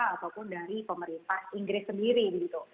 ataupun dari pemerintah inggris sendiri gitu